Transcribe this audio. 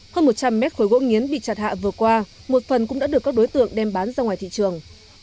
hơn một trăm linh mét khối gỗ nghiến bị chặt hạ vừa qua một phần cũng đã được các đối tượng đem bán ra ngoài thị trường